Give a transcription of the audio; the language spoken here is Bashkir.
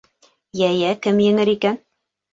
— Йә, йә, кем еңер икән.